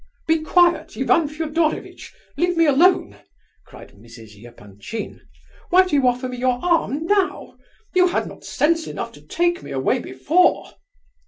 "Be quiet, Ivan Fedorovitch! Leave me alone!" cried Mrs. Epanchin. "Why do you offer me your arm now? You had not sense enough to take me away before.